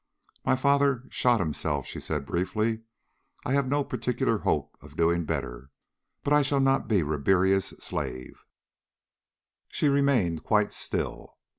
"My father shot himself," she said briefly. "I have no particular hope of doing better. But I shall not be Ribiera's slave." She remained quite still.